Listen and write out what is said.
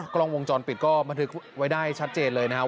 กล้องวงจรปิดก็บันทึกไว้ได้ชัดเจนเลยนะครับ